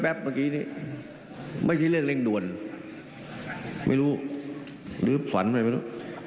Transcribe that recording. เมื่อกี้นี้ไม่ใช่เรื่องเร่งด่วนไม่รู้หรือฝันอะไรไม่รู้